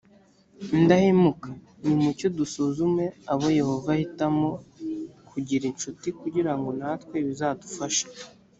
indahemuka nimucyo dusuzume abo yehova ahitamo kugira inshuti kugira ngo natwe bizadufashe